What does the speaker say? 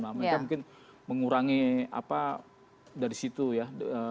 nah mereka mungkin mengurangi apa dari situ ya